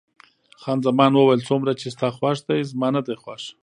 خان زمان وویل: څومره چې ستا خوښ دی، زما نه دی خوښ.